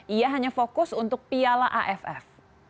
ia hanya fokus untuk piala aff